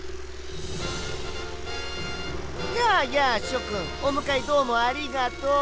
やあやあしょくんおむかえどうもありがとう！